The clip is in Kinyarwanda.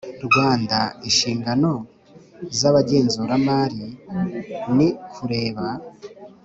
Rwanda inshingano z abagenzuramari ni kureba